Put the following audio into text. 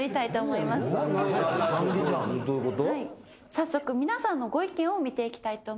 早速皆さんのご意見を見ていきたいと思います。